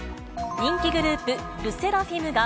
人気グループ、ＬＥＳＳＥＲＡＦＩＭが、